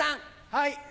はい。